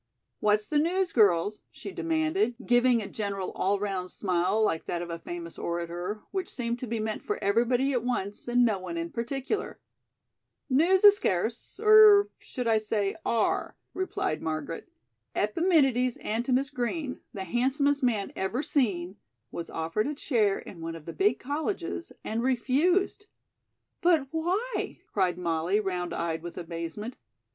"What's the news, girls?" she demanded, giving a general all round smile like that of a famous orator, which seemed to be meant for everybody at once and no one in particular. "News is scarce; or should I say 'are'?" replied Margaret. "Epiménides Antinous Green, 'the handsomest man ever seen,' was offered a chair in one of the big colleges and refused." "But why?" cried Molly, round eyed with amazement.